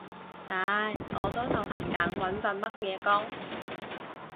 唉，我都頭痕緊揾份乜嘢工